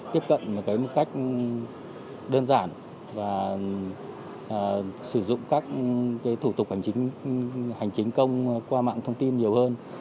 tiếp cận một cách đơn giản và sử dụng các thủ tục hành chính hành chính công qua mạng thông tin nhiều hơn